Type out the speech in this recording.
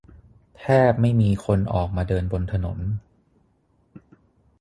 แทบไม่มีคนออกมาเดินบนถนน